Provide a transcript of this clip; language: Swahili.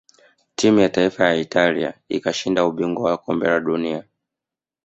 timu ya taifa ya italia ikashinda ubingwa wa kombe dunia